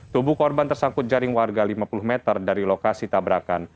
tubuh korban tersangkut jaring warga lima puluh meter dari lokasi tabrakan